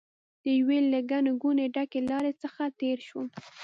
د یوې له ګڼې ګوڼې ډکې لارې څخه تېر شوم.